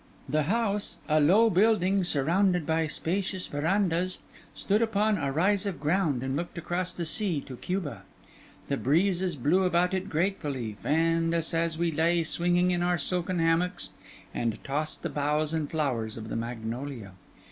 The house, a low building surrounded by spacious verandahs, stood upon a rise of ground and looked across the sea to Cuba. The breezes blew about it gratefully, fanned us as we lay swinging in our silken hammocks, and tossed the boughs and flowers of the magnolia.